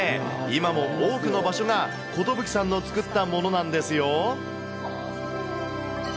今も多くの場所がコトブキさんの作ったものなんですよ。